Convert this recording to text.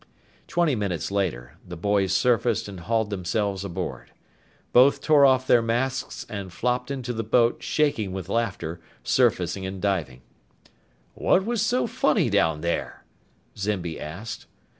Twenty minutes later the boys surfaced and hauled themselves aboard. Both tore off their masks and flopped into the boat, shaking with laughter, surfacing and diving. "What was so funny down there?" Zimby asked.